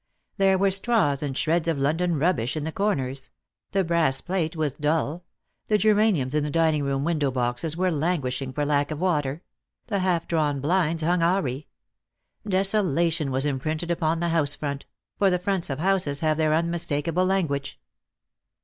There were straws and shreds of London rubbish in the cor ners; the brass plate was dull; the geraniums in the dining room window boxes were languishing for lack of water; the half drawn blinds hung awry. Desolation was imprinted upon the house front — for the fronts of houses have their unmis takable language.